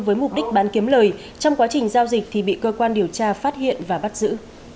với mục đích bán kiếm lời trong quá trình giao dịch thì bị cơ quan điều tra phát hiện và bắt giữ